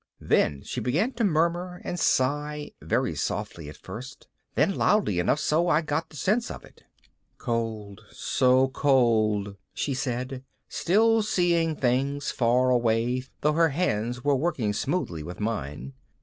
Then she began to murmur and sigh, very softly at first, then loudly enough so I got the sense of it. "Cold, so cold," she said, still seeing things far away though her hands were working smoothly with mine.